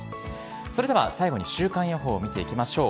それでは最後に週間予報を見ていきましょう。